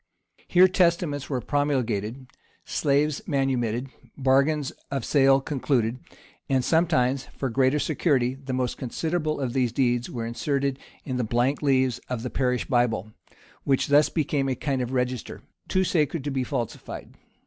Here testaments were promulgated, slaves manumitted, bargains of sale concluded, and sometimes, for greater security, the most considerable of these deeds were inserted in the blank leaves of the parish Bible, which thus became a kind of register, too sacred to be falsified.